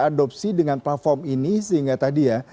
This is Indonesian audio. adopsi dengan platform ini sehingga tadi ya